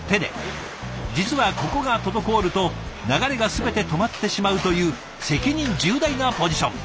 実はここが滞ると流れが全て止まってしまうという責任重大なポジション。